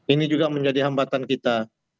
ini juga menjadi hambatan kita